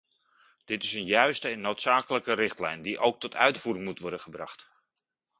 Dit is een juiste en noodzakelijke richtlijn, die ook tot uitvoering moet worden gebracht.